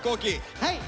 はい！